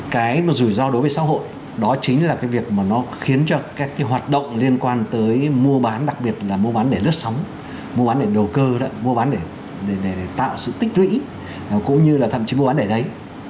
cái mà rủi ro đối với xã hội đó chính là cái việc mà nó khiến cho các cái hoạt động liên quan tới mua bán đặc biệt là mua bán để lướt sóng mua bán để đầu cơ đó mua bán để tạo sự tích lũy cũng như là thậm chí mua bán để đấy